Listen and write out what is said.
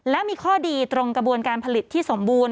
และมีข้อดีตรงกระบวนการผลิตที่สมบูรณ